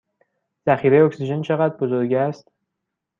ذخیره اکسیژن چه قدر بزرگ است؟